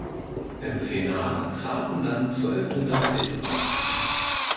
Im Finale traten dann zwölf Interpreten auf.